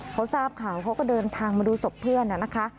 เขาทราบข่าวเขาก็เดินทางมาดูศพเพื่อนนะคะ